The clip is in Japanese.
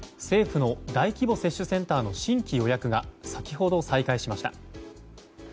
政府の大規模接種センターの新規予約が先ほど、再開しました。